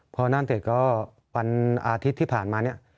พอนั่นเสร็จก็วันอาทิตย์ที่ผ่านมาเนี่ย